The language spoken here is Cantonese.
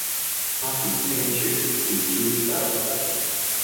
不是清泉是天上虹